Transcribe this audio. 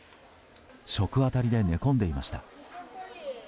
食あたりで寝込んでいました。